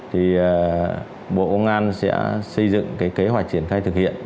thì bộ công an sẽ xây dựng cái kế hoạch triển khai thực hiện